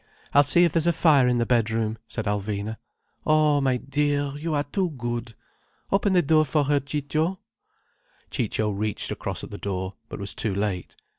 I'll see if there's a fire in the bedroom," said Alvina. "Oh, my dear, you are too good. Open the door for her, Ciccio—" Ciccio reached across at the door, but was too late.